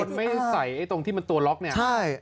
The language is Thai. บางคนไม่ใส่ตรงที่มันตัวล็อกนี่